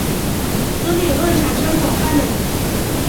此理论产生广泛的影响。